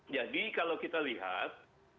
jadi kalau kita lihat